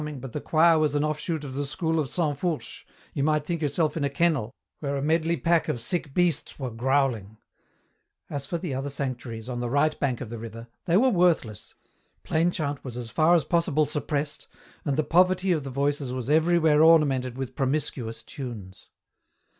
ing, but the choir was an offshoot of the school of Sanfourche, you might think yourself in a kennel, where a medley pack of sick beasts were growling ; as for the other sanctuaries on the right bank of the river, they were worthless, plain chant was as far as possible suppressed, and the poverty of the voices was everywhere ornamented with promiscuous tunes.